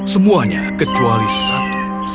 semuanya kecuali satu